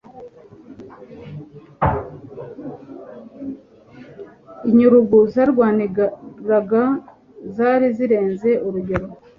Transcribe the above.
Inyurugu zarwanirwaga zari zirenze urugero